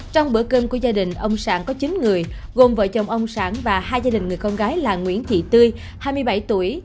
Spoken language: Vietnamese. trong bữa cơm của gia đình ông sản có chín người gồm vợ chồng ông sản và hai gia đình người con gái là nguyễn thị tươi hai mươi bảy tuổi